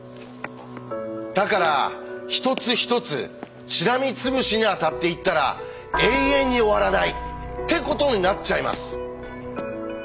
だから一つ一つしらみつぶしに当たっていったら永遠に終わらないってことになっちゃいます。